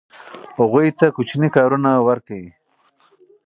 هغوی ته کوچني کارونه ورکړئ.